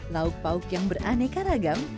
lauk pauk yang beraneka ragam